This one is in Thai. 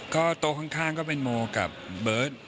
ก็โต๊ะข้างก็เป็นโมกับเบิร์ต